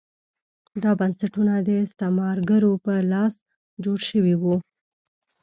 دا بنسټونه د استعمارګرو په لاس جوړ شوي وو.